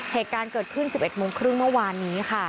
เหตุการณ์เกิดขึ้น๑๑โมงครึ่งเมื่อวานนี้ค่ะ